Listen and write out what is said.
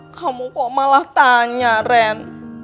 kamu kok malah tanya ren